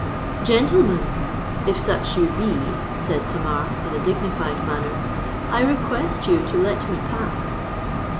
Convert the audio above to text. "Gentlemen—if such you be," said Tamar, in a dignified manner, "I request you to let me pass."